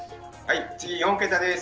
次４桁です。